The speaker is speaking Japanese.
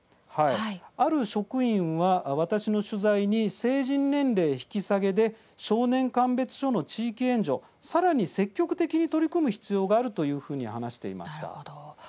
ある職員は、私の取材に成人年齢引き下げで少年鑑別所の地域援助さらに積極的に取り組む必要があるというふうに話していました。